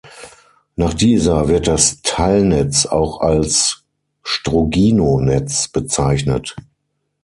Nach dieser wird das Teilnetz auch als "Strogino-Netz" bezeichnet.